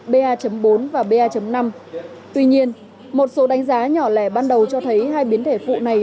ba bốn và ba năm tuy nhiên một số đánh giá nhỏ lẻ ban đầu cho thấy hai biến thể phụ này